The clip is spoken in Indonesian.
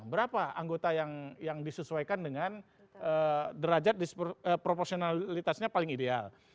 berapa anggota yang disesuaikan dengan derajat proporsionalitasnya paling ideal